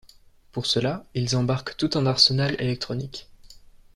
Pour cela ils embarquent tout un arsenal électronique.